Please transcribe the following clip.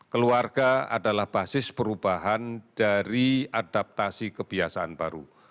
keluarga adalah basis perubahan dari adaptasi kebiasaan baru